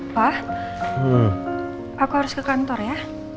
wah aku harus ke kantor ya